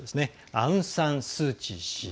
アウン・サン・スー・チー氏。